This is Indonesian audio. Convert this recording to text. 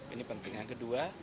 ini pentingnya kedua